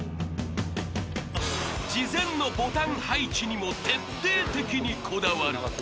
［事前のボタン配置にも徹底的にこだわる］